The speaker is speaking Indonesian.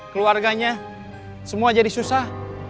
keluarganya semua jadi susah